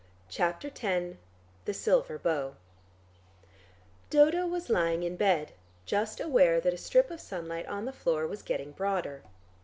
CHAPTER X THE SILVER BOW Dodo was lying in bed, just aware that a strip of sunlight on the floor was getting broader.